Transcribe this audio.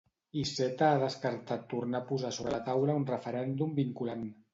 Iceta ha descartat tornar a posar sobre la taula un referèndum vinculant.